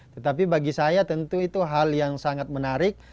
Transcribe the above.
tetapi bagi saya tentu itu hal yang sangat menarik